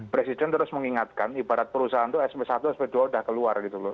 presiden terus mengingatkan ibarat perusahaan itu sp satu sp dua udah keluar gitu loh